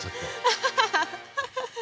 アハハハハ！